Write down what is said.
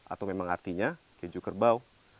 atau memang artinya keju kerbau